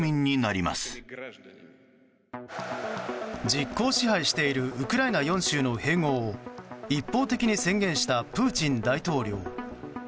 実効支配しているウクライナ４州の併合を一方的に宣言したプーチン大統領。